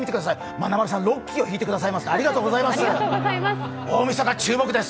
まなまるさん、「ロッキー」を弾いてくださいました、ありがとうございます。